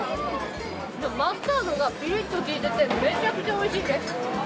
マスタードがピリッと効いててめちゃくちゃおいしいです。